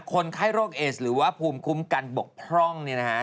คนไข้โรคเอสหรือว่าภูมิคุ้มกันบกพร่องเนี่ยนะฮะ